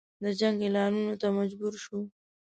خو بالاخره د جنګ اعلانولو ته مجبور شو.